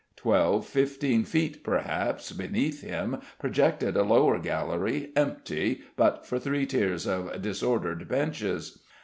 Twelve, fifteen feet perhaps, beneath him projected a lower gallery, empty but for three tiers of disordered benches.